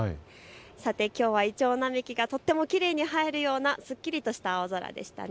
きょうはイチョウ並木がとてもきれいに映えるようなすっきりとした青空でしたね。